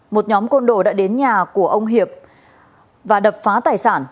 một nhóm côn đồ đã đến nhà của ông hiệp và đập phá tài sản